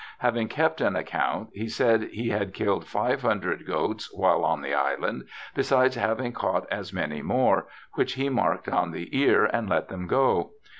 Havmg kept an account, he said he had killed 500 goats while on the island, besides having caught as many more, which he marked on the ear and let them go.